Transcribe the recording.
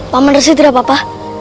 paman resit tidak papa